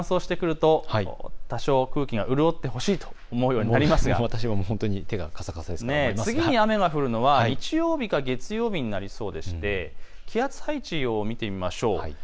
空気が乾燥してくると多少空気が潤ってほしいと思うようになりますが次に雨が降るのは日曜日か月曜日になりそうでして気圧配置を見てみましょう。